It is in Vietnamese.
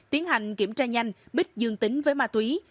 tiến hành kiểm tra nhanh bích dương tính với ma túy